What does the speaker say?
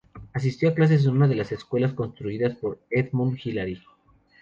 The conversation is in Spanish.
Asistió a clases en una de las escuelas construidas por Edmund Hillary.